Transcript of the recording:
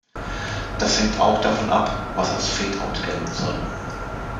Das hängt auch davon ab, was als Fadeout gelten soll.